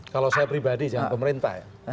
kalau saya pribadi jangan pemerintah ya